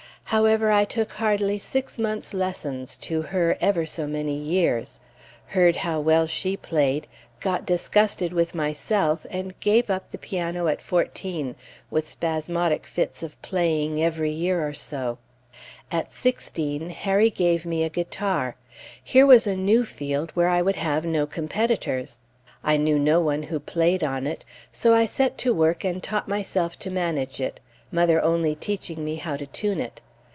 However, I took hardly six months' lessons to her ever so many years; heard how well she played, got disgusted with myself, and gave up the piano at fourteen, with spasmodic fits of playing every year or so. At sixteen, Harry gave me a guitar. Here was a new field where I would have no competitors. I knew no one who played on it; so I set to work, and taught myself to manage it, mother only teaching me how to tune it.